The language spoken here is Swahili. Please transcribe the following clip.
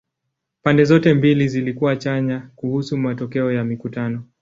Pande zote mbili zilikuwa chanya kuhusu matokeo ya mikutano.